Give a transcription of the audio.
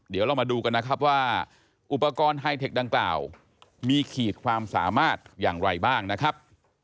เดี๋ยวเรามาดูกันนะครับว่าอุปกรณ์ไฮเทคดังกล่าวมีขีดความสามารถอย่างไรบ้างนะครับ